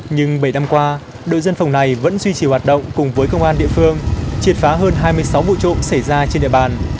nhưng bảy năm qua đội dân phòng này vẫn duy trì hoạt động cùng với công an địa phương triệt phá hơn hai mươi sáu vụ trộm xảy ra trên địa bàn